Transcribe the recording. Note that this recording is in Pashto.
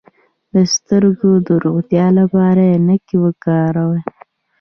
د سترګو د روغتیا لپاره عینکې وکاروئ